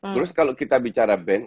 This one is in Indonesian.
terus kalau kita bicara ban